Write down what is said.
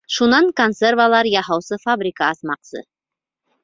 Шунан консервалар яһаусы фабрика асмаҡсы.